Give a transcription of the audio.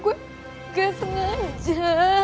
gua ga sengaja